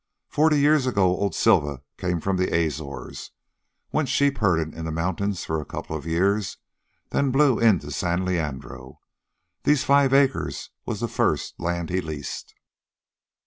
Forty years ago old Silva come from the Azores. Went sheep herdin' in the mountains for a couple of years, then blew in to San Leandro. These five acres was the first land he leased.